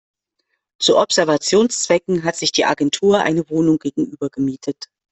Zu Observationszwecken hat sich die Agentur eine Wohnung gegenüber gemietet.